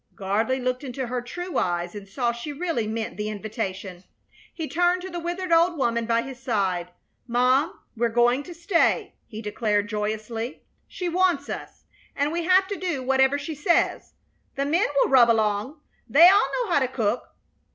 Gardley looked into her true eyes and saw she really meant the invitation. He turned to the withered old woman by his side. "Mom, we're going to stay," he declared, joyously. "She wants us, and we have to do whatever she says. The men will rub along. They all know how to cook.